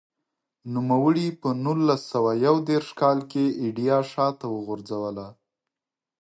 نوموړي په نولس سوه یو دېرش کال کې ایډیا شاته وغورځوله.